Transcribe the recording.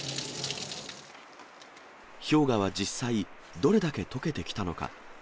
氷河は実際、どれだけとけてきたのか。